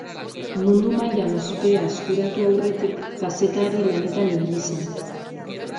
Mundu mailan ospea eskuratu aurretik, kazetari lanetan ibili zen.